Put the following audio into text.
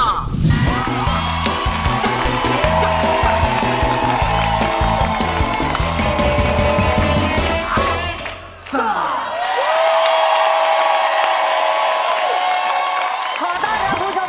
ขอต้อนรับคุณผู้ชมนะครับ